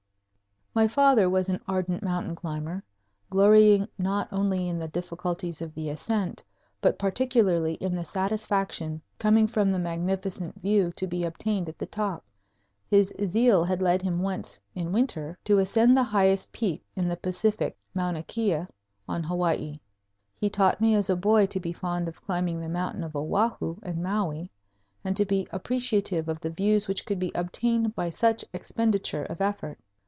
My father was an ardent mountain climber, glorying not only in the difficulties of the ascent, but particularly in the satisfaction coming from the magnificent view to be obtained at the top. His zeal had led him once, in winter, to ascend the highest peak in the Pacific, Mauna Kea on Hawaii. He taught me as a boy to be fond of climbing the mountains of Oahu and Maui and to be appreciative of the views which could be obtained by such expenditure of effort.